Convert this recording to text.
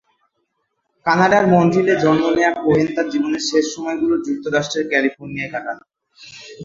কানাডার মন্ট্রিলে জন্ম নেওয়া কোহেন তাঁর জীবনের শেষ সময়গুলো যুক্তরাষ্ট্রের ক্যালিফোর্নিয়ায় কাটান।